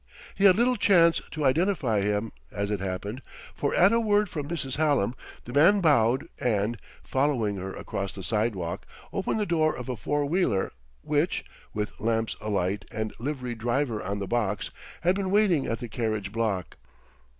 He had little chance to identify him, as it happened, for at a word from Mrs. Hallam the man bowed and, following her across the sidewalk, opened the door of a four wheeler which, with lamps alight and liveried driver on the box, had been waiting at the carriage block.